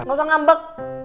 gak usah ngambek